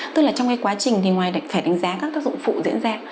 tức là trong cái quá trình thì ngoài phải đánh giá các tác dụng phụ diễn ra